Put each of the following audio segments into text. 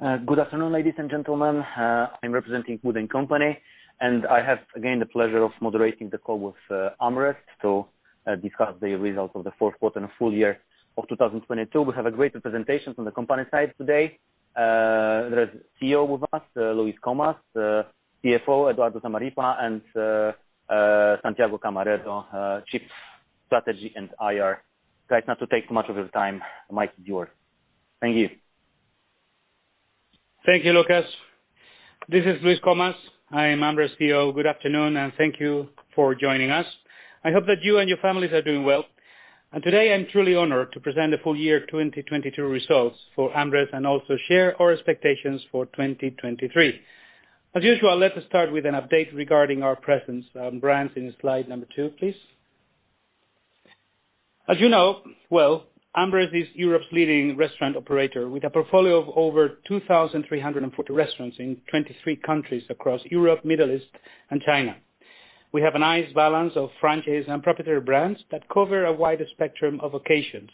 Good afternoon, ladies and gentlemen. I'm representing WOOD & Company, and I have again the pleasure of moderating the call with AmRest to discuss the results of the fourth quarter and full year of 2022. We have a great representation from the company side today. There's CEO with us, Luis Comas, CFO, Eduardo Zamarripa, and Santiago Camarero, Chief Strategy and IR. Try not to take too much of his time. The mic is yours. Thank you. Thank you, Lucas. This is Luis Comas. I am AmRest CEO. Good afternoon, thank you for joining us. I hope that you and your families are doing well. Today, I'm truly honored to present the full year 2022 results for AmRest and also share our expectations for 2023. As usual, let us start with an update regarding our presence, brands in slide number two, please. As you know well, AmRest is Europe's leading restaurant operator with a portfolio of over 2,340 restaurants in 23 countries across Europe, Middle East, and China. We have a nice balance of franchise and proprietary brands that cover a wide spectrum of occasions.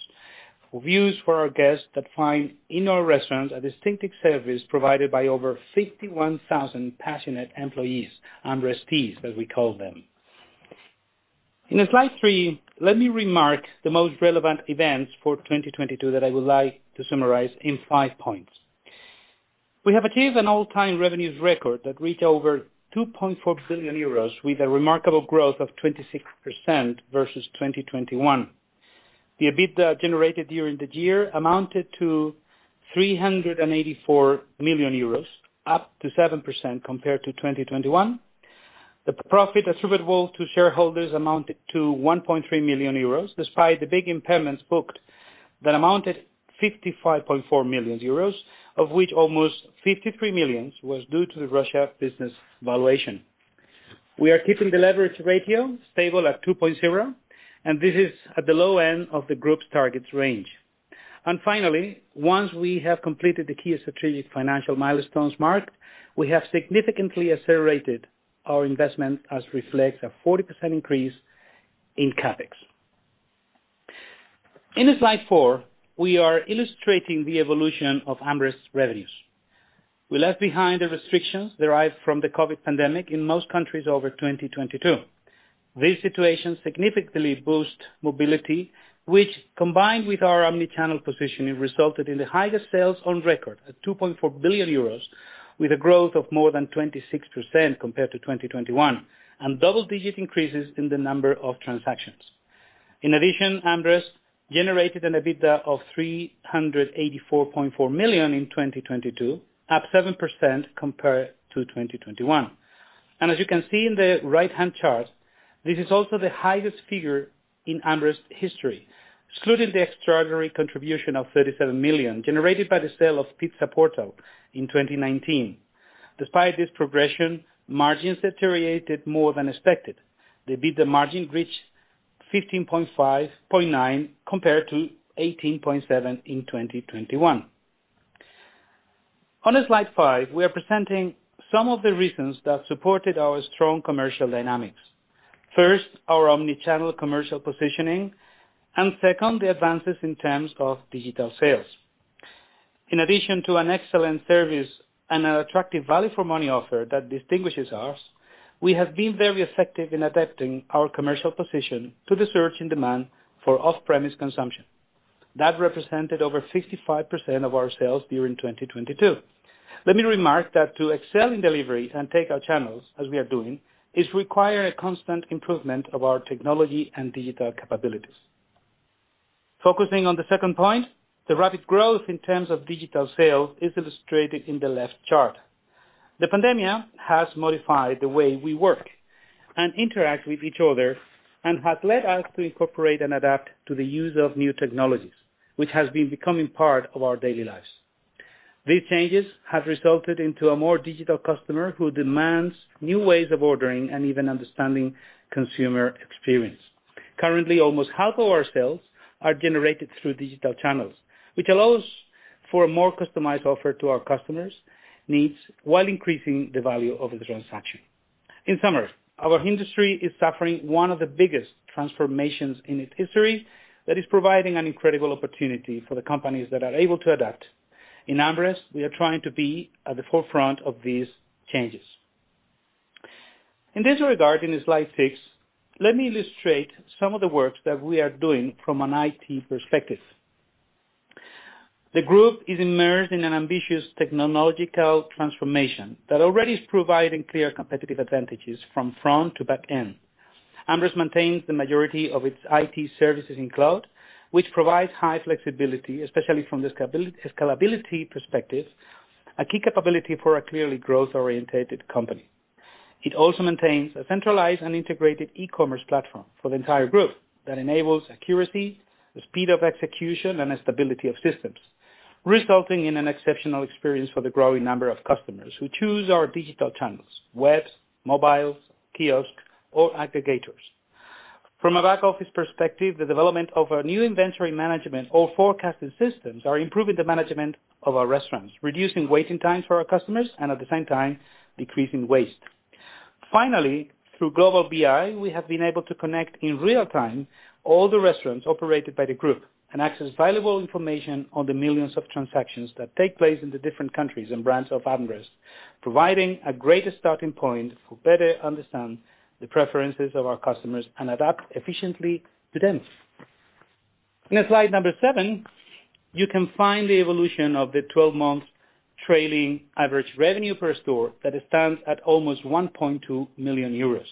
Reviews for our guests that find in our restaurants a distinctive service provided by over 51,000 passionate employees, AmResties, as we call them. In the slide three, let me remark the most relevant events for 2022 that I would like to summarize in five points. We have achieved an all-time revenues record that reached over 2.4 billion euros with a remarkable growth of 26% versus 2021. The EBITDA generated during the year amounted to 384 million euros, up to 7% compared to 2021. The profit attributable to shareholders amounted to 1.3 million euros, despite the big impairments booked that amounted 55.4 million euros, of which almost 53 million was due to the Russia business valuation. This is at the low end of the group's targets range. Finally, once we have completed the key strategic financial milestones marked, we have significantly accelerated our investment as reflects a 40% increase in CapEx. In slide four, we are illustrating the evolution of AmRest revenues. We left behind the restrictions derived from the COVID pandemic in most countries over 2022. This situation significantly boost mobility, which, combined with our omni-channel positioning, resulted in the highest sales on record at 2.4 billion euros with a growth of more than 26% compared to 2021, and double-digit increases in the number of transactions. In addition, AmRest generated an EBITDA of 384.4 million in 2022, up 7% compared to 2021. As you can see in the right-hand chart, this is also the highest figure in AmRest history, excluding the extraordinary contribution of EUR 37 million generated by the sale of Pizza Portal in 2019. Despite this progression, margins deteriorated more than expected. The EBITDA margin reached 15.9% compared to 18.7% in 2021. On slide five, we are presenting some of the reasons that supported our strong commercial dynamics. First, our omni-channel commercial positioning, and second, the advances in terms of digital sales. In addition to an excellent service and an attractive value for money offer that distinguishes ours, we have been very effective in adapting our commercial position to the search and demand for off-premise consumption. That represented over 65% of our sales during 2022. Let me remark that to excel in delivery and take our channels as we are doing, is require a constant improvement of our technology and digital capabilities. Focusing on the second point, the rapid growth in terms of digital sales is illustrated in the left chart. The pandemic has modified the way we work and interact with each other, and has led us to incorporate and adapt to the use of new technologies, which has been becoming part of our daily lives. These changes have resulted into a more digital customer who demands new ways of ordering and even understanding consumer experience. Currently, almost half of our sales are generated through digital channels, which allows for a more customized offer to our customers' needs, while increasing the value of the transaction. In summary, our industry is suffering one of the biggest transformations in its history that is providing an incredible opportunity for the companies that are able to adapt. In AmRest, we are trying to be at the forefront of these changes. In this regard, in slide six, let me illustrate some of the works that we are doing from an IT perspective. The group is immersed in an ambitious technological transformation that already is providing clear competitive advantages from front to back end. AmRest maintains the majority of its IT services in cloud, which provides high flexibility, especially from the scalability perspective, a key capability for a clearly growth-orientated company. It also maintains a centralized and integrated e-commerce platform for the entire group that enables accuracy, the speed of execution, and a stability of systems, resulting in an exceptional experience for the growing number of customers who choose our digital channels: web, mobile, kiosk or aggregators. From a back office perspective, the development of our new inventory management or forecasting systems are improving the management of our restaurants, reducing waiting times for our customers and at the same time decreasing waste. Through Global BI, we have been able to connect in real time all the restaurants operated by the group and access valuable information on the millions of transactions that take place in the different countries and brands of AmRest, providing a greater starting point to better understand the preferences of our customers and adapt efficiently to them. In slide seven, you can find the evolution of the 12-month trailing average revenue per store that stands at almost 1.2 million euros.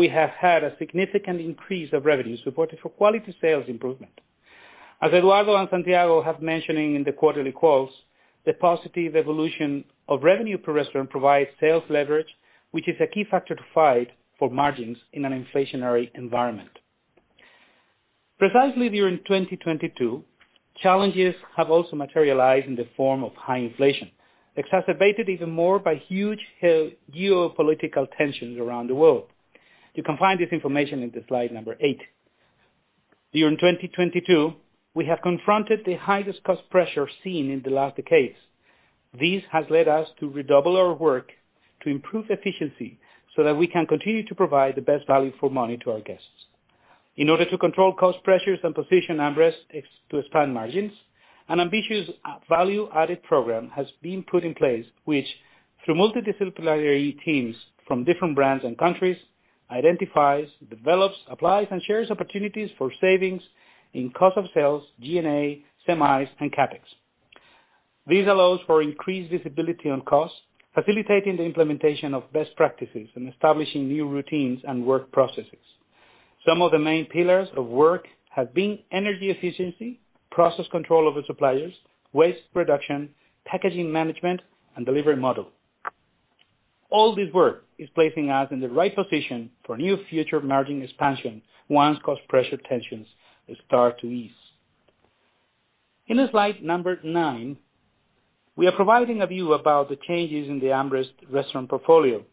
We have had a significant increase of revenue supported for quality sales improvement. As Eduardo and Santiago have mentioned in the quarterly calls, the positive evolution of revenue per restaurant provides sales leverage, which is a key factor to fight for margins in an inflationary environment. Precisely during 2022, challenges have also materialized in the form of high inflation, exacerbated even more by huge geopolitical tensions around the world. You can find this information in slide 8. During 2022, we have confronted the highest cost pressure seen in the last decades. This has led us to redouble our work to improve efficiency so that we can continue to provide the best value for money to our guests. In order to control cost pressures and position AmRest to expand margins, an ambitious value-added program has been put in place, which, through multidisciplinary teams from different brands and countries, identifies, develops, applies, and shares opportunities for savings in cost of sales, G&A, semis, and CapEx. This allows for increased visibility on costs, facilitating the implementation of best practices and establishing new routines and work processes. Some of the main pillars of work have been energy efficiency, process control over suppliers, waste reduction, packaging management, and delivery model. All this work is placing us in the right position for new future margin expansion once cost pressure tensions start to ease. In slide number nine, we are providing a view about the changes in the AmRest restaurant portfolio.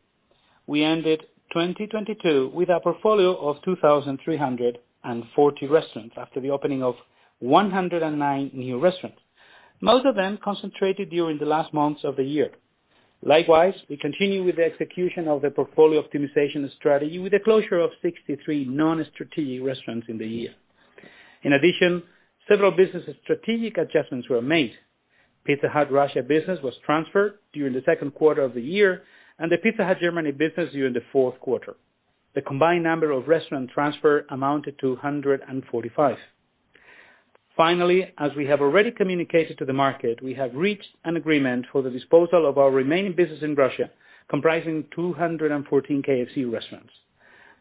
We ended 2022 with a portfolio of 2,340 restaurants after the opening of 109 new restaurants, most of them concentrated during the last months of the year. Likewise, we continue with the execution of the portfolio optimization strategy with the closure of 63 non-strategic restaurants in the year. In addition, several business strategic adjustments were made. Pizza Hut Russia business was transferred during the second quarter of the year, and the Pizza Hut Germany business during the fourth quarter. The combined number of restaurant transfer amounted to 145. As we have already communicated to the market, we have reached an agreement for the disposal of our remaining business in Russia, comprising 214 KFC restaurants.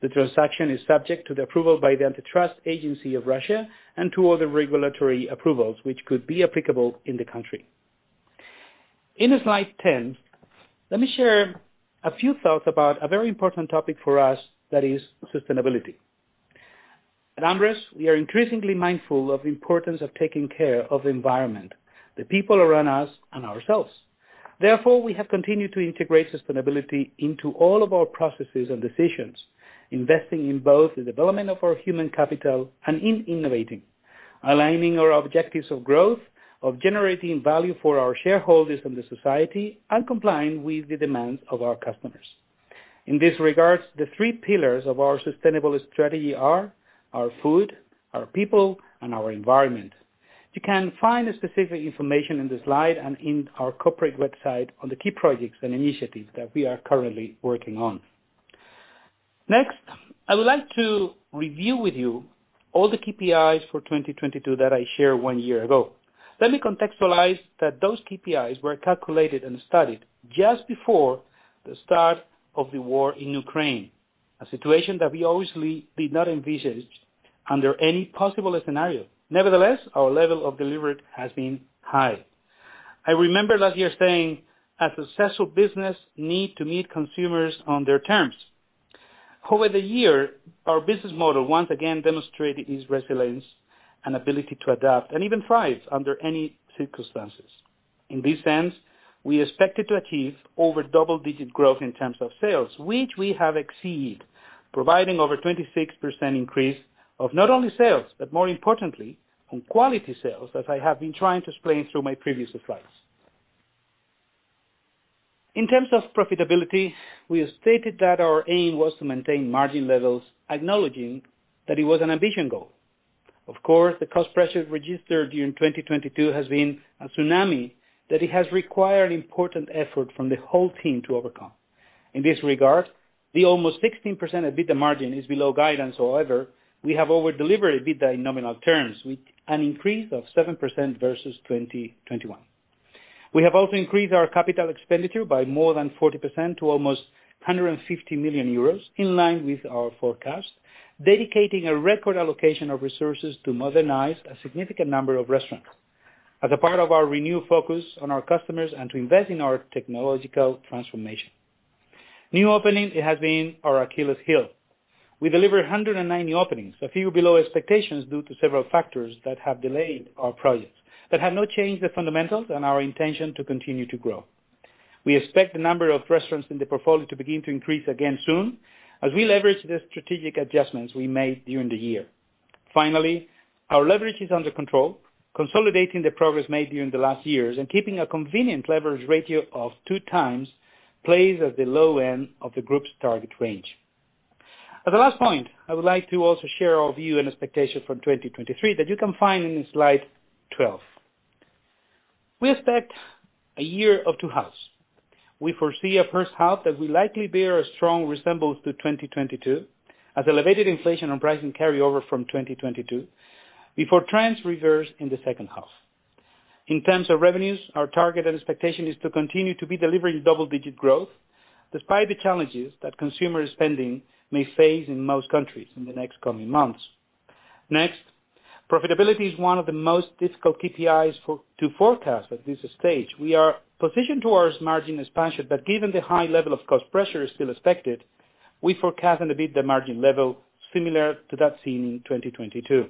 The transaction is subject to the approval by the Antitrust Agency of Russia and two other regulatory approvals which could be applicable in the country. In slide 10, let me share a few thoughts about a very important topic for us that is sustainability. At AmRest, we are increasingly mindful of the importance of taking care of the environment, the people around us, and ourselves. Therefore, we have continued to integrate sustainability into all of our processes and decisions, investing in both the development of our human capital and in innovating, aligning our objectives of growth, of generating value for our shareholders and the society, and complying with the demands of our customers. In this regards, the three pillars of our sustainable strategy are our food, our people, and our environment. You can find the specific information in the slide and in our corporate website on the key projects and initiatives that we are currently working on. Next, I would like to review with you all the KPIs for 2022 that I shared one year ago. Let me contextualize that those KPIs were calculated and studied just before the start of the war in Ukraine, a situation that we obviously did not envisage under any possible scenario. Nevertheless, our level of delivery has been high. I remember last year saying a successful business need to meet consumers on their terms. Over the year, our business model once again demonstrated its resilience and ability to adapt and even thrive under any circumstances. In this sense, we expected to achieve over double-digit growth in terms of sales, which we have exceeded, providing over 26% increase of not only sales, but more importantly, on quality sales, as I have been trying to explain through my previous slides. In terms of profitability, we have stated that our aim was to maintain margin levels, acknowledging that it was an ambition goal. The cost pressures registered during 2022 has been a tsunami that it has required important effort from the whole team to overcome. In this regard, the almost 16% EBITDA margin is below guidance. We have over-delivered EBITDA in nominal terms with an increase of 7% versus 2021. We have also increased our capital expenditure by more than 40% to almost 150 million euros, in line with our forecast, dedicating a record allocation of resources to modernize a significant number of restaurants as a part of our renewed focus on our customers and to invest in our technological transformation. New opening, it has been our Achilles heel. We delivered 109 new openings, a few below expectations due to several factors that have delayed our projects, but have not changed the fundamentals and our intention to continue to grow. We expect the number of restaurants in the portfolio to begin to increase again soon as we leverage the strategic adjustments we made during the year. Finally, our leverage is under control, consolidating the progress made during the last years and keeping a convenient leverage ratio of 2x plays at the low end of the group's target range. As a last point, I would like to also share our view and expectation for 2023 that you can find in slide 12. We expect a year of two halves. We foresee a first half that will likely bear a strong resemblance to 2022 as elevated inflation and pricing carry over from 2022 before trends reverse in the second half. In terms of revenues, our target and expectation is to continue to be delivering double digit growth despite the challenges that consumer spending may face in most countries in the next coming months. Next, profitability is one of the most difficult KPIs to forecast at this stage. We are positioned towards margin expansion, but given the high level of cost pressure is still expected, we forecast an EBITDA margin level similar to that seen in 2022.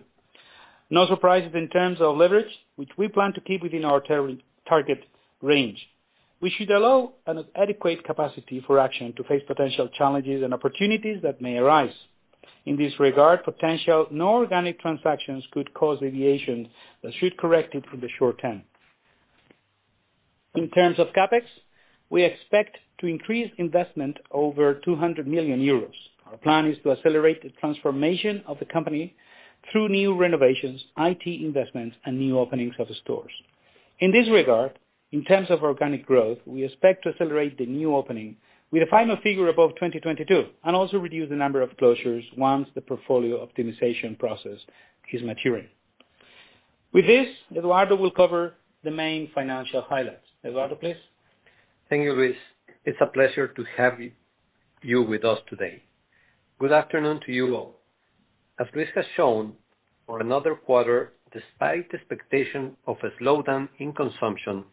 No surprises in terms of leverage, which we plan to keep within our target range. We should allow an adequate capacity for action to face potential challenges and opportunities that may arise. In this regard, potential non-organic transactions could cause deviations that should correct it from the short term. In terms of CapEx, we expect to increase investment over 200 million euros. Our plan is to accelerate the transformation of the company through new renovations, IT investments, and new openings of the stores. In this regard, in terms of organic growth, we expect to accelerate the new opening with a final figure above 2022 and also reduce the number of closures once the portfolio optimization process is maturing. With this, Eduardo will cover the main financial highlights. Eduardo, please. Thank you, Luis. It's a pleasure to have you with us today. Good afternoon to you all. As Luis has shown, for another quarter, despite expectation of a slowdown in consumption,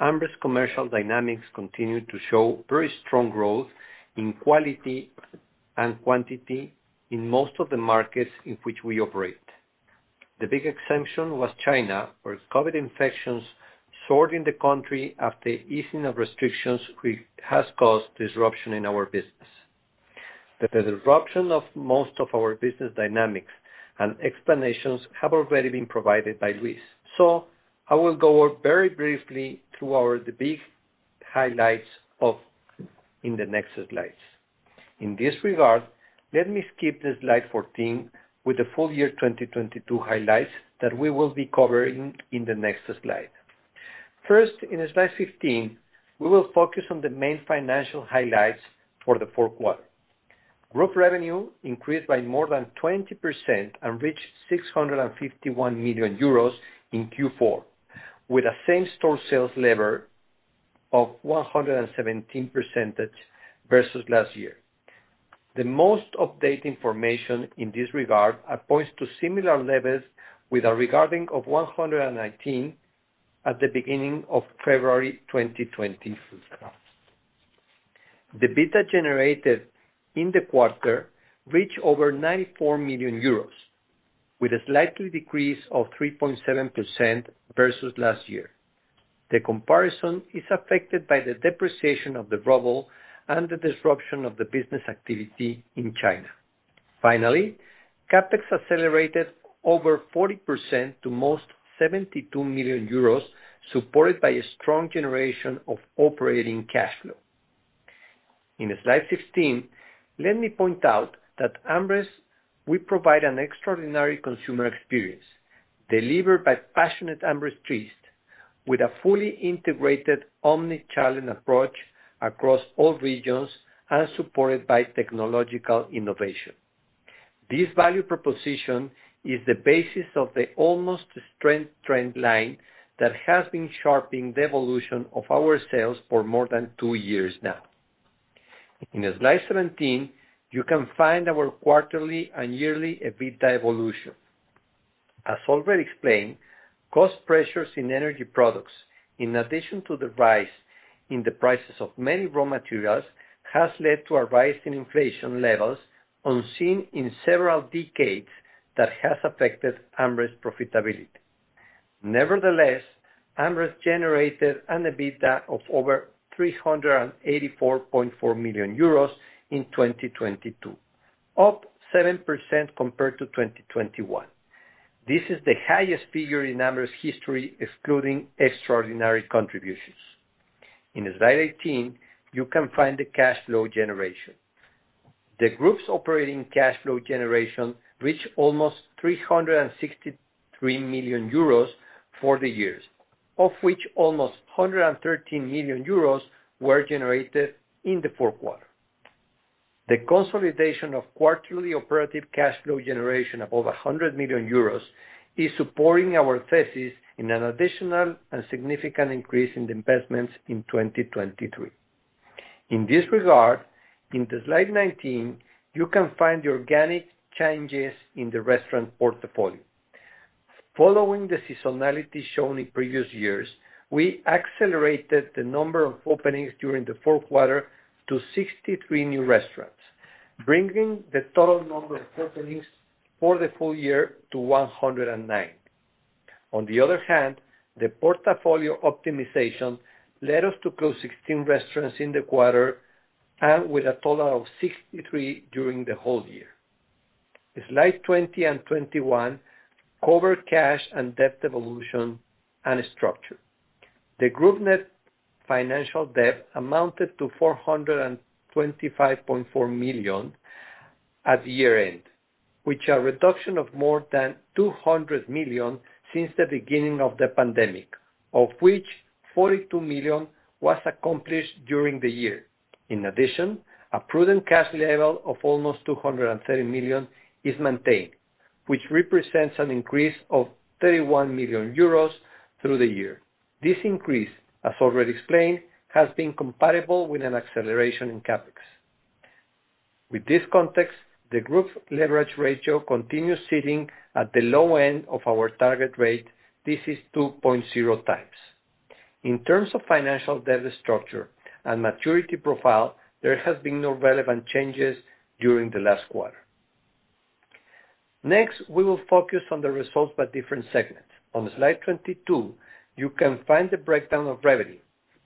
AmRest commercial dynamics continued to show very strong growth in quality and quantity in most of the markets in which we operate. The big exemption was China, where COVID infections soared in the country after easing of restrictions which has caused disruption in our business. The disruption of most of our business dynamics and explanations have already been provided by Luis. I will go very briefly through the big highlights in the next slides. In this regard, let me skip the slide 14 with the full year 2022 highlights that we will be covering in the next slide. First, in slide 15, we will focus on the main financial highlights for the fourth quarter. Group revenue increased by more than 20% and reached 651 million euros in Q4, with a same-store sales level of 117% versus last year. The most updated information in this regard points to similar levels with a regarding of 119% at the beginning of February 2022. The EBITDA generated in the quarter reached over 94 million euros, with a slight decrease of 3.7% versus last year. The comparison is affected by the depreciation of the ruble and the disruption of the business activity in China. Finally, CapEx accelerated over 40% to most 72 million euros, supported by a strong generation of operating cash flow. In slide 16, let me point out that AmRest, we provide an extraordinary consumer experience delivered by passionate AmResties with a fully integrated omni-channel approach across all regions and supported by technological innovation. This value proposition is the basis of the almost straight trend line that has been shaping the evolution of our sales for more than two years now. In slide 17, you can find our quarterly and yearly EBITDA evolution. As already explained, cost pressures in energy products, in addition to the rise in the prices of many raw materials, has led to a rise in inflation levels unseen in several decades that has affected AmRest's profitability. Nevertheless, AmRest generated an EBITDA of over 384.4 million euros in 2022, up 7% compared to 2021. This is the highest figure in AmRest's history, excluding extraordinary contributions. In slide 18, you can find the cash flow generation. The group's operating cash flow generation reached almost 363 million euros for the years, of which almost 113 million euros were generated in the fourth quarter. The consolidation of quarterly operative cash flow generation above 100 million euros is supporting our thesis in an additional and significant increase in the investments in 2023. In this regard, in the slide 19, you can find the organic changes in the restaurant portfolio. Following the seasonality shown in previous years, we accelerated the number of openings during the fourth quarter to 63 new restaurants, bringing the total number of openings for the full year to 109. On the other hand, the portfolio optimization led us to close 16 restaurants in the quarter and with a total of 63 during the whole year. Slide 20 and 21 cover cash and debt evolution and structure. The group net financial debt amounted to 425.4 million at year-end, which a reduction of more than 200 million since the beginning of the pandemic, of which 42 million was accomplished during the year. A prudent cash level of almost 230 million is maintained, which represents an increase of 31 million euros through the year. This increase, as already explained, has been compatible with an acceleration in CapEx. With this context, the group's leverage ratio continues sitting at the low end of our target rate. This is 2.0x. In terms of financial debt structure and maturity profile, there has been no relevant changes during the last quarter. We will focus on the results by different segments. On slide 22, you can find the breakdown of revenue,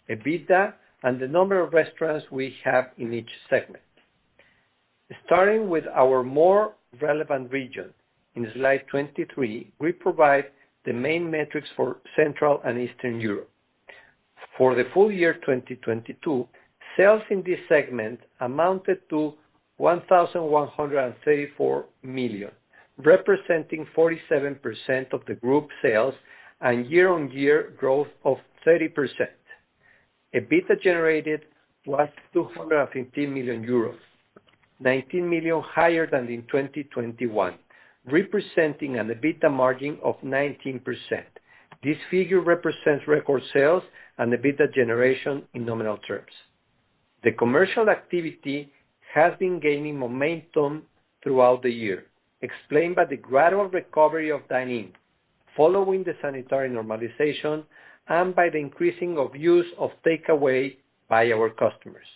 EBITDA, and the number of restaurants we have in each segment. Starting with our more relevant region, in slide 23, we provide the main metrics for Central and Eastern Europe. For the full year 2022, sales in this segment amounted to 1,134 million, representing 47% of the group sales and year-on-year growth of 30%. EBITDA generated was 215 million euros, 19 million higher than in 2021, representing an EBITDA margin of 19%. This figure represents record sales and EBITDA generation in nominal terms. The commercial activity has been gaining momentum throughout the year, explained by the gradual recovery of dine-in following the sanitary normalization and by the increasing of use of takeaway by our customers.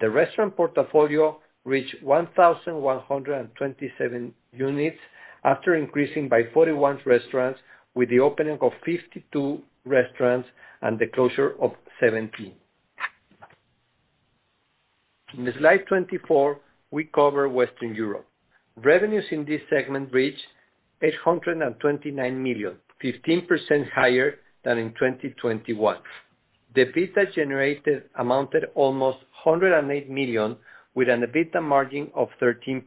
The restaurant portfolio reached 1,127 units after increasing by 41 restaurants with the opening of 52 restaurants and the closure of 17. In the slide 24, we cover Western Europe. Revenues in this segment reached 829 million, 15% higher than in 2021. The EBITDA generated amounted almost 108 million with an EBITDA margin of 13%.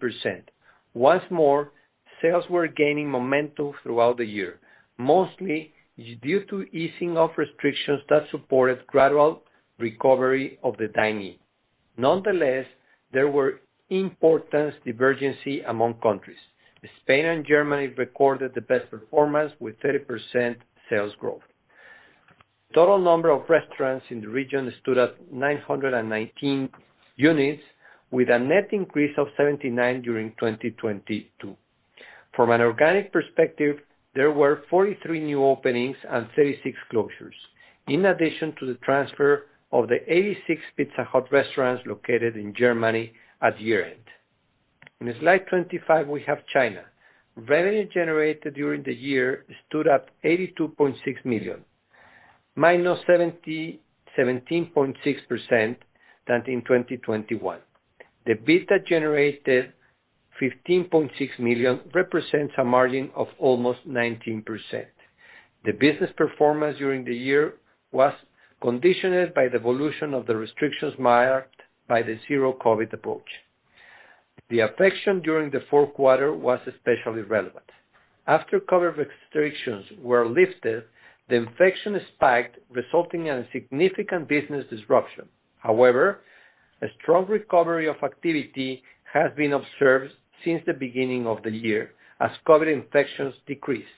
Once more, sales were gaining momentum throughout the year, mostly due to easing of restrictions that supported gradual recovery of the dine-in. Nonetheless, there were important divergency among countries. Spain and Germany recorded the best performance with 30% sales growth. Total number of restaurants in the region stood at 919 units, with a net increase of 79 during 2022. From an organic perspective, there were 43 new openings and 36 closures, in addition to the transfer of the 86 Pizza Hut restaurants located in Germany at year-end. In slide 25, we have China. Revenue generated during the year stood at 82.6 million, minus 17.6% than in 2021. The EBITDA generated, 15.6 million, represents a margin of almost 19%. The business performance during the year was conditioned by the evolution of the restrictions marked by the Zero-COVID approach. The affection during the fourth quarter was especially relevant. After COVID restrictions were lifted, the infection spiked, resulting in significant business disruption. A strong recovery of activity has been observed since the beginning of the year as COVID infections decrease.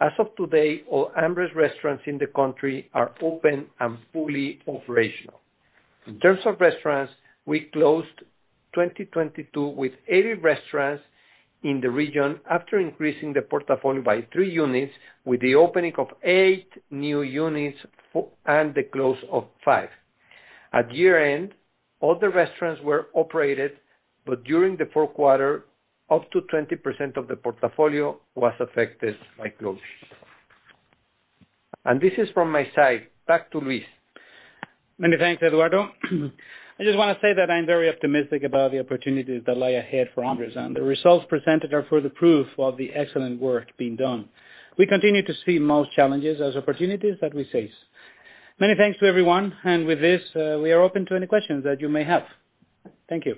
As of today, all AmRest restaurants in the country are open and fully operational. In terms of restaurants, we closed 2022 with 80 restaurants in the region after increasing the portfolio by three units with the opening of eight new units and the close of five. At year-end, all the restaurants were operated. During the fourth quarter, up to 20% of the portfolio was affected by closure. This is from my side. Back to Luis. Many thanks, Eduardo. I just wanna say that I'm very optimistic about the opportunities that lie ahead for AmRest, and the results presented are further proof of the excellent work being done. We continue to see most challenges as opportunities that we face. Many thanks to everyone. With this, we are open to any questions that you may have. Thank you.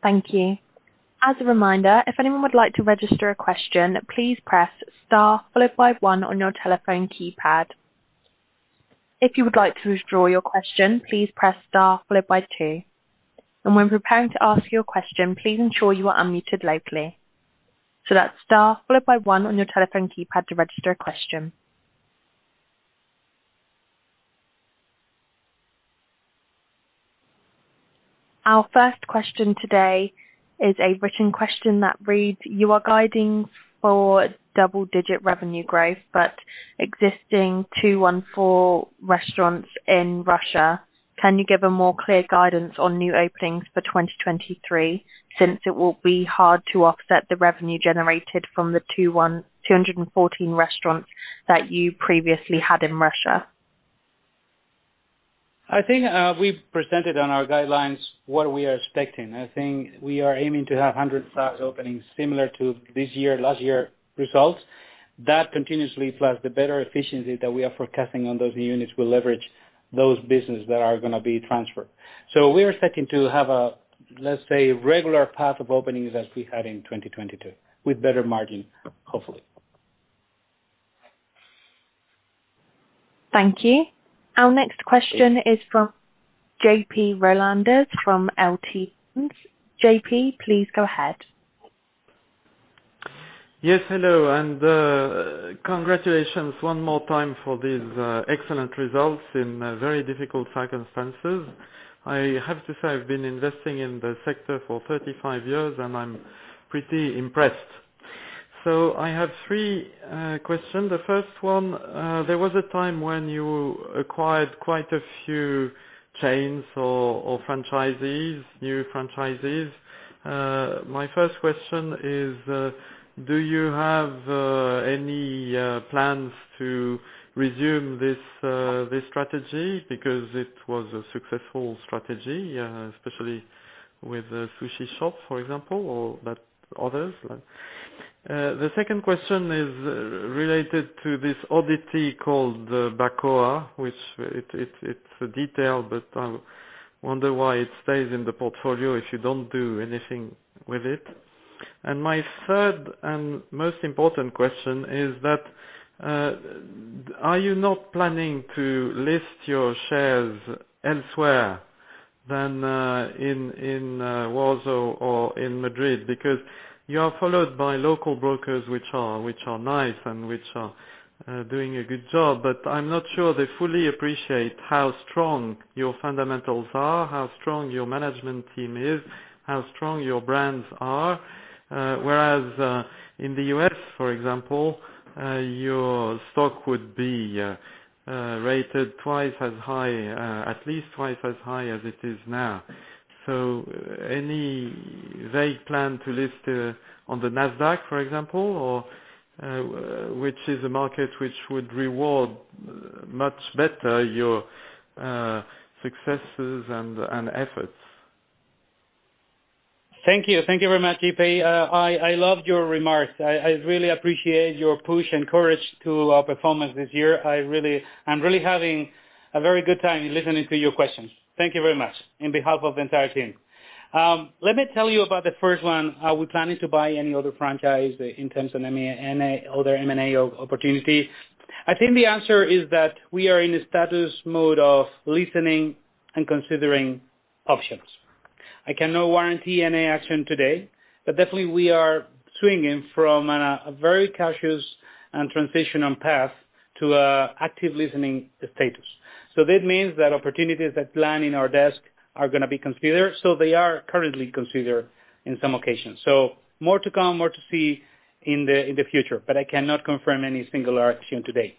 Thank you. As a reminder, if anyone would like to register a question, please press star followed by one on your telephone keypad. If you would like to withdraw your question, please press star followed by two. When preparing to ask your question, please ensure you are unmuted locally. That's star followed by one on your telephone keypad to register a question. Our first question today is a written question that reads: You are guiding for double-digit revenue growth but existing 214 restaurants in Russia. Can you give a more clear guidance on new openings for 2023, since it will be hard to offset the revenue generated from the 214 restaurants that you previously had in Russia? I think, we presented on our guidelines what we are expecting. I think we are aiming to have 100 stock openings similar to this year, last year results. That continuously plus the better efficiency that we are forecasting on those units will leverage those businesses that are gonna be transferred. We are expecting to have a, let's say, regular path of openings as we had in 2022 with better margin, hopefully. Thank you. Our next question is from J.P. Rolandez from LT. J.P., please go ahead. Yes, hello, congratulations one more time for these excellent results in very difficult circumstances. I have to say, I've been investing in this sector for 35 years, and I'm pretty impressed. I have three questions. The first one, there was a time when you acquired quite a few chains or franchisees, new franchisees. My first question is, do you have any plans to resume this strategy? It was a successful strategy, especially with the Sushi Shop, for example, or that others. The second question is related to this oddity called Bacoa, which it's a detail, but I wonder why it stays in the portfolio if you don't do anything with it. My third and most important question is that, are you not planning to list your shares elsewhere than in Warsaw or in Madrid? Because you are followed by local brokers, which are nice and which are doing a good job. I'm not sure they fully appreciate how strong your fundamentals are, how strong your management team is, how strong your brands are, whereas in the U.S., for example, your stock would be rated twice as high, at least twice as high as it is now. Any vague plan to list on the Nasdaq, for example, or which is a market which would reward much better your successes and efforts. Thank you. Thank you very much, J.P. I loved your remarks. I really appreciate your push and courage to our performance this year. I'm really having a very good time listening to your questions. Thank you very much in behalf of the entire team. Let me tell you about the first one. Are we planning to buy any other franchise in terms of other M&A opportunity? I think the answer is that we are in a status mode of listening and considering options. I cannot warranty any action today, but definitely we are swinging from a very cautious and transitional path to a active listening status. That means that opportunities that land in our desk are gonna be considered, so they are currently considered in some occasions. More to come, more to see in the future, but I cannot confirm any singular action today.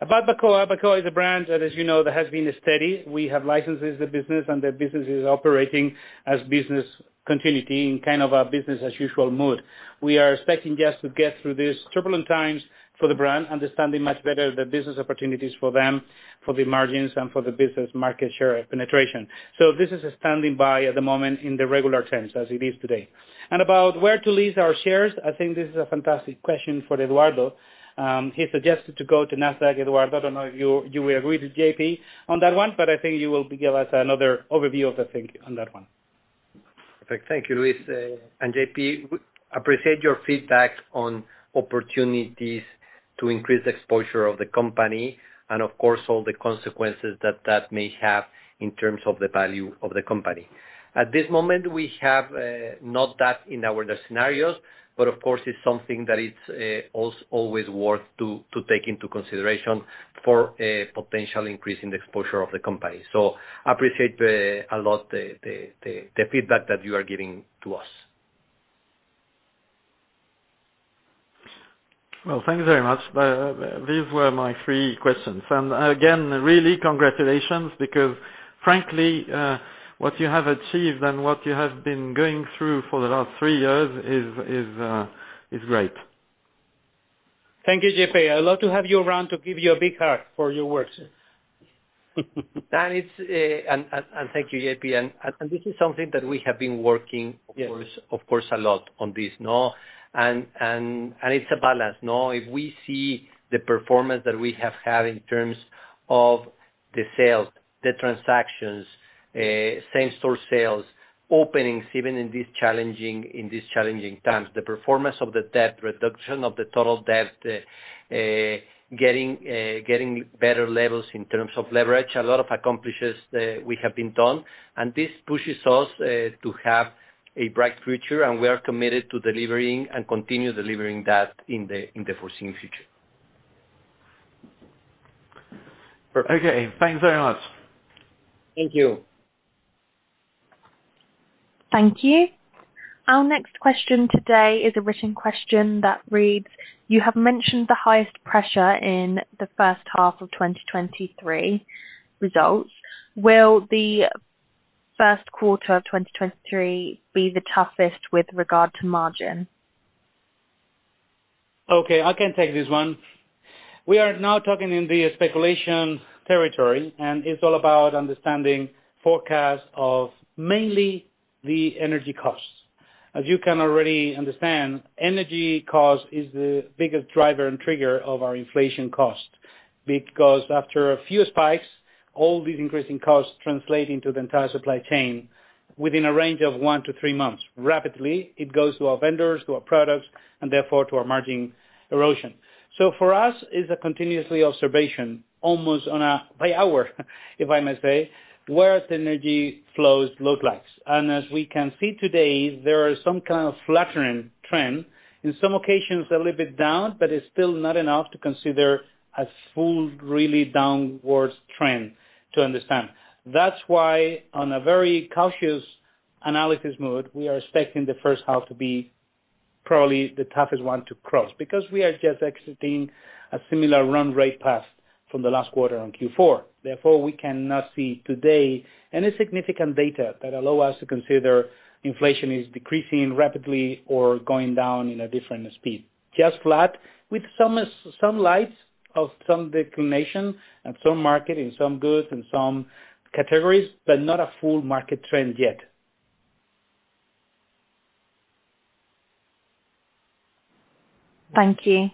About Bacoa. Bacoa is a brand that, as you know, has been steady. We have licenses the business, and the business is operating as business continuity in kind of a business as usual mode. We are expecting just to get through this turbulent times for the brand, understanding much better the business opportunities for them, for the margins and for the business market share penetration. This is a standing by at the moment in the regular terms as it is today. About where to list our shares. I think this is a fantastic question for Eduardo. He suggested to go to Nasdaq. Eduardo, I don't know if you will agree with J.P on that one, but I think you will give us another overview of the thing on that one. Thank you, Luis. J.P, we appreciate your feedback on opportunities to increase exposure of the company and of course, all the consequences that that may have in terms of the value of the company. At this moment, we have not that in our scenarios, but of course it's something that it's always worth to take into consideration for a potential increase in the exposure of the company. I appreciate a lot the feedback that you are giving to us. Well, thank you very much. These were my three questions. Again, really congratulations because frankly, what you have achieved and what you have been going through for the last three years is great. Thank you, JP. I love to have you around to give you a big hug for your works. It's, and thank you, JP. This is something that we have been working. Yes. of course, a lot on this, no? It's a balance, no? If we see the performance that we have had in terms of the sales, the transactions, same-store sales, openings, even in these challenging times. The performance of the debt, reduction of the total debt, getting better levels in terms of leverage, a lot of accomplishes, we have been done. This pushes us to have a bright future, and we are committed to delivering and continue delivering that in the foreseen future. Okay. Thanks very much. Thank you. Thank you. Our next question today is a written question that reads: You have mentioned the highest pressure in the first half of 2023 results. Will the first quarter of 2023 be the toughest with regard to margin? Okay, I can take this one. We are now talking in the speculation territory, and it's all about understanding forecasts of mainly the energy costs. As you can already understand, energy cost is the biggest driver and trigger of our inflation cost. After a few spikes, all these increasing costs translate into the entire supply chain within a range of one-three months. Rapidly, it goes to our vendors, to our products, and therefore to our margin erosion. For us, it's a continuously observation, almost on a by hour if I may say, where the energy flows look likes. As we can see today, there are some kind of flattering trend, in some occasions, a little bit down, but it's still not enough to consider a full really downwards trend to understand. That's why, on a very cautious analysis mode, we are expecting the first half to be probably the toughest one to cross, because we are just exiting a similar run rate path from the last quarter on Q4. We cannot see today any significant data that allow us to consider inflation is decreasing rapidly or going down in a different speed. Just flat with some lights of some declination and some market, and some goods and some categories, but not a full market trend yet. Thank you.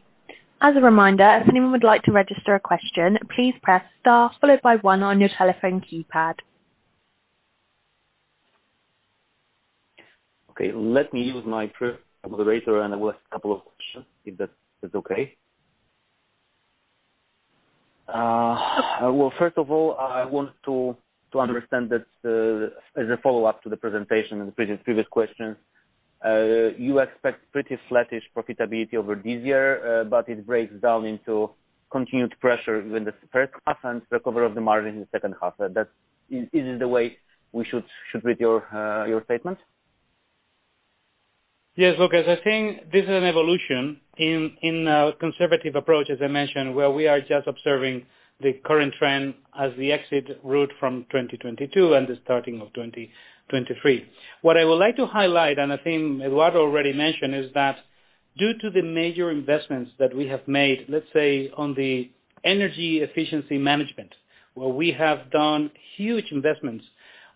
As a reminder, if anyone would like to register a question, please press star followed by one on your telephone keypad. Okay, let me use my first moderator. I will ask a couple of questions, if that's okay. Well, first of all, I want to understand that, as a follow-up to the presentation and the previous questions, you expect pretty flattish profitability over this year. It breaks down into continued pressure in the first half and recover of the margin in the second half. Is it the way we should read your statement? Yes, Lucas. I think this is an evolution in a conservative approach, as I mentioned, where we are just observing the current trend as we exit route from 2022 and the starting of 2023. What I would like to highlight, and I think Eduardo already mentioned, is that due to the major investments that we have made, let's say, on the energy efficiency management, where we have done huge investments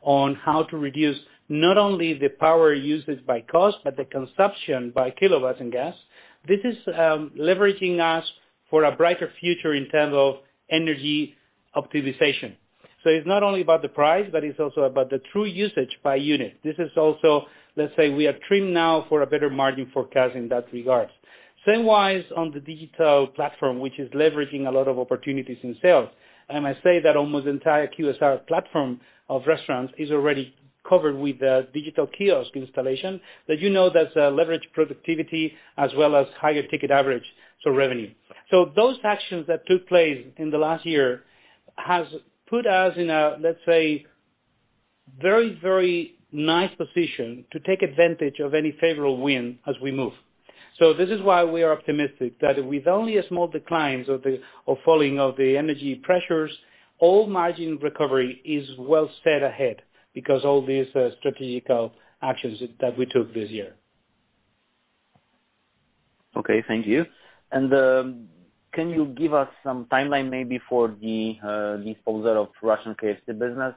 on how to reduce not only the power usage by cost, but the consumption by kilowatts and gas. This is leveraging us for a brighter future in terms of energy optimization. It's not only about the price, but it's also about the true usage by unit. This is also, let's say, we are trimmed now for a better margin forecast in that regard. Same-wise on the digital platform, which is leveraging a lot of opportunities in sales. I say that almost the entire QSR platform of restaurants is already covered with the digital kiosk installation that you know, that leverage productivity as well as higher ticket average, so revenue. Those actions that took place in the last year has put us in a, let's say, very, very nice position to take advantage of any favorable win as we move. This is why we are optimistic that with only a small declines of the, of falling of the energy pressures, all margin recovery is well set ahead because all these strategic actions that we took this year. Okay. Thank you. Can you give us some timeline maybe for the disposal of Russian KFC business?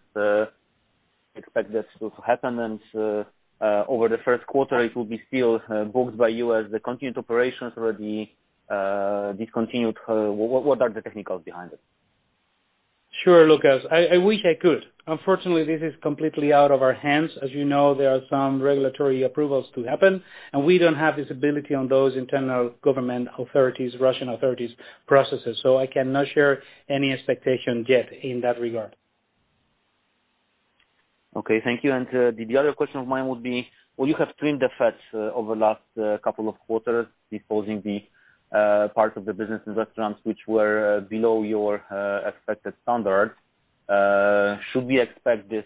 Expect this to happen and over the first quarter, it will be still booked by you as the continued operations or the discontinued? What are the technicals behind it? Sure, Lucas. I wish I could. Unfortunately, this is completely out of our hands. As you know, there are some regulatory approvals to happen, and we don't have this ability on those internal government authorities, Russian authorities processes. I cannot share any expectation yet in that regard. Okay. Thank you. The other question of mine would be: Well, you have trimmed the fats, over the last, couple of quarters, disposing the part of the business in restaurants which were below your expected standards. Should we expect this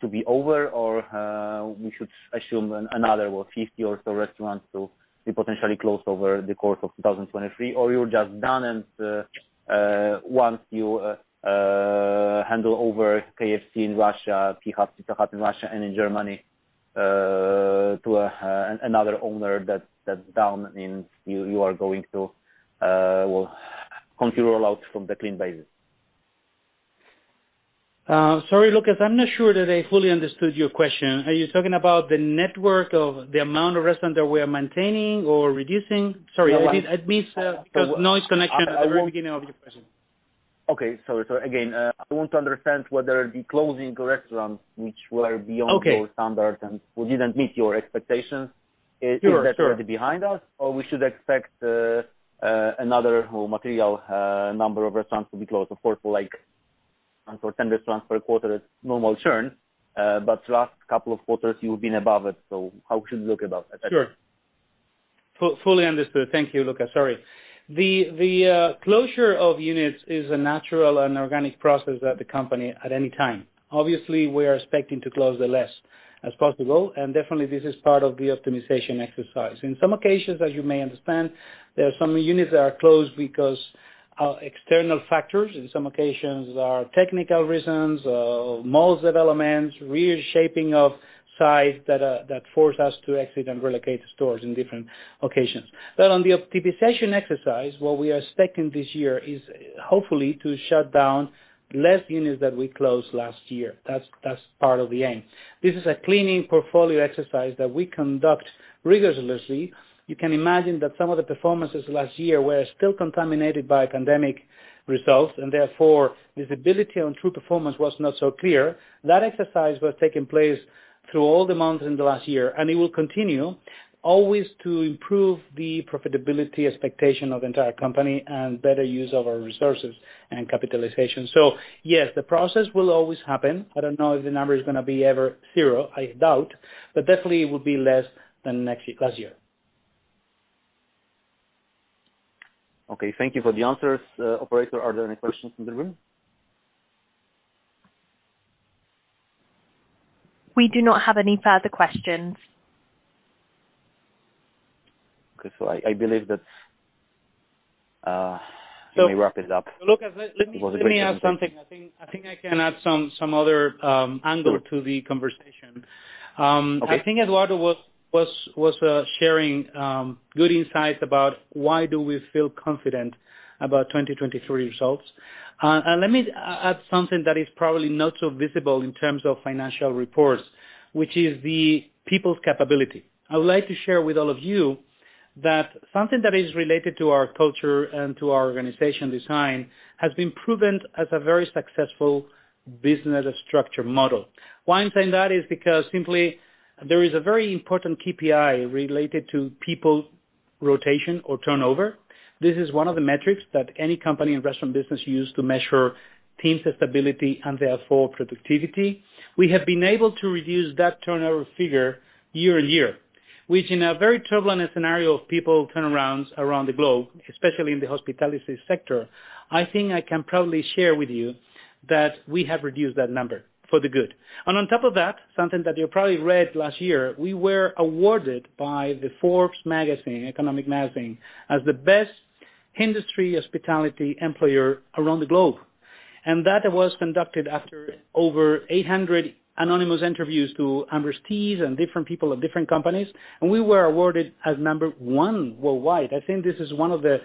to be over or we should assume another 50 or so restaurants to be potentially closed over the course of 2023? You're just done and once you handle over KFC in Russia, Pizza Hut in Russia and in Germany, to another owner, that's done and you are going to well, continue roll out from the clean basis. Sorry, Lucas, I'm not sure that I fully understood your question. Are you talking about the network of the amount of restaurants that we are maintaining or reducing? Sorry, I missed because noise connection at the very beginning of your question. Okay. Sorry, sorry. Again, I want to understand whether the closing restaurants which were. Okay. your standards and who didn't meet your expectations. Sure, sure. is that already behind us? Or we should expect another whole material number of restaurants to be closed? Of course, like, for 10 restaurants per quarter, it's normal churn. But last couple of quarters you've been above it. How should we look about it? That's Fully understood. Thank you, Lucas. Sorry. The closure of units is a natural and organic process at the company at any time. Obviously, we are expecting to close the less as possible, and definitely this is part of the optimization exercise. In some occasions, as you may understand, there are some units that are closed because external factors. In some occasions, there are technical reasons or malls developments, reshaping of size that force us to exit and relocate stores in different occasions. On the optimization exercise, what we are expecting this year is hopefully to shut down less units that we closed last year. That's part of the aim. This is a cleaning portfolio exercise that we conduct rigorously. You can imagine that some of the performances last year were still contaminated by pandemic results, and therefore, visibility on true performance was not so clear. That exercise was taking place through all the months in the last year, and it will continue always to improve the profitability expectation of entire company and better use of our resources and capitalization. Yes, the process will always happen. I don't know if the number is gonna be ever zero, I doubt, but definitely it will be less than last year. Okay, thank you for the answers. Operator, are there any questions in the room? We do not have any further questions. Okay. I believe that, let me wrap it up. Lucas, let me add something. I think I can add some other angle to the conversation. Okay. I think Eduardo was sharing good insights about why do we feel confident about 2023 results. Let me add something that is probably not so visible in terms of financial reports, which is the people's capability. I would like to share with all of you that something that is related to our culture and to our organization design has been proven as a very successful business structure model. Why I'm saying that is because simply there is a very important KPI related to people rotation or turnover. This is one of the metrics that any company in restaurant business use to measure team stability and therefore productivity. We have been able to reduce that turnover figure year-over-year, which in a very turbulent scenario of people turnarounds around the globe, especially in the hospitality sector, I think I can proudly share with you that we have reduced that number for the good. On top of that, something that you probably read last year, we were awarded by the Forbes magazine, economic magazine, as the best industry hospitality employer around the globe. That was conducted after over 800 anonymous interviews to AmResties and different people of different companies, and we were awarded as number one worldwide. I think this is one of the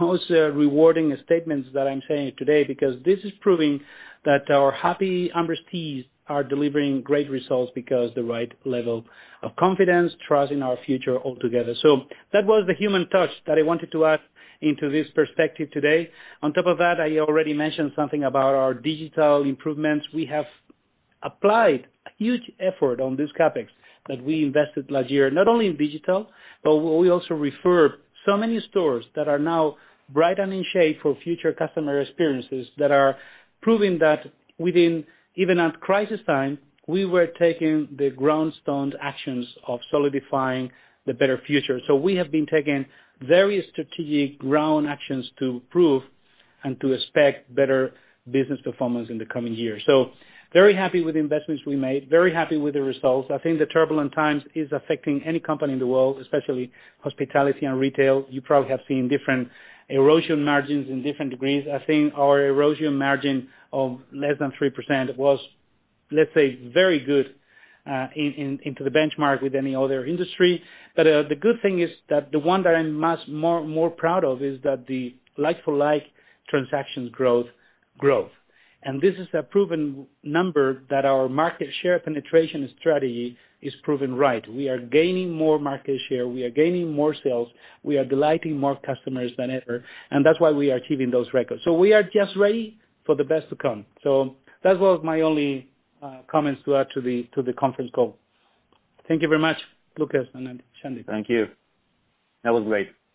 most rewarding statements that I'm saying today, because this is proving that our happy AmResties are delivering great results because the right level of confidence, trust in our future all together. That was the human touch that I wanted to add into this perspective today. On top of that, I already mentioned something about our digital improvements. We have applied a huge effort on this CapEx that we invested last year, not only in digital, but we also referred so many stores that are now bright and in shape for future customer experiences that are proving that even at crisis time, we were taking the ground stoned actions of solidifying the better future. We have been taking very strategic ground actions to prove and to expect better business performance in the coming years. Very happy with the investments we made. Very happy with the results. I think the turbulent times is affecting any company in the world, especially hospitality and retail. You probably have seen different erosion margins in different degrees. I think our erosion margin of less than 3% was, let's say, very good, in, into the benchmark with any other industry. The good thing is that the one that I'm much more proud of is that the like for like transactions growth. This is a proven number that our market share penetration strategy is proven right. We are gaining more market share, we are gaining more sales. We are delighting more customers than ever, and that's why we are achieving those records. We are just ready for the best to come. That was my only comments to add to the conference call. Thank you very much, Lucas and Santi. Thank you. That was great.